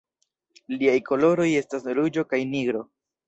Liaj koloroj estas ruĝo kaj nigro.